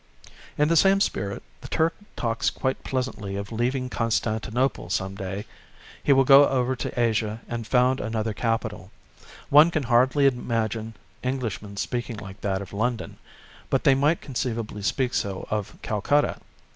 In the same spirit the Turk talks quite pleasantly of leaving Constantinople some day, he will go over to Asia and found another capital. One can hardly imagine Englishmen speaking like that of London, but they might conceivably speak so of Calcutta....